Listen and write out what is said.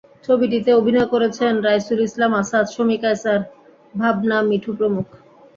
ছবিটিতে অভিনয় করেছেন রাইসুল ইসলাম আসাদ, শমী কায়সার, ভাবনা, মিঠু প্রমুখ।